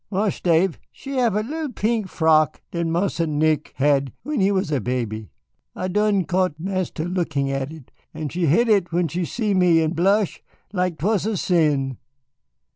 "Marse Dave, she have a lil pink frock dat Marsa Nick had when he was a bebby. I done cotch Mistis lookin' at it, an' she hid it when she see me an' blush like 'twas a sin.